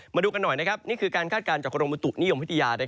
มาดูกันหน่อยนี่คือการคาดการณ์จากกรมบุตุนิยมวิทยา